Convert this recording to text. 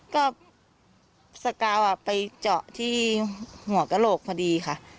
ก็สกาวไปเจาะที่หัวกระโหลกพอดีค่ะ